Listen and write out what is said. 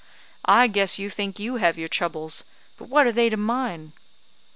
I guess you think you have your troubles; but what are they to mine?"